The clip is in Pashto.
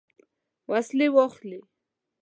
وسلې واخلي.